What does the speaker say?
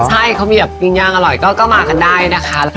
ใช่มีอย่างอร่อยก็มากันได้นะคะ